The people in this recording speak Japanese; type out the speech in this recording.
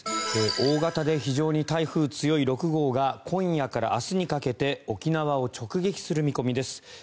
大型で非常に強い台風６号が今夜から明日にかけて沖縄を直撃する見込みです。